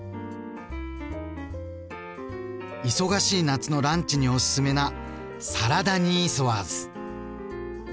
忙しい夏のランチにおすすめなサラダニーソワーズ。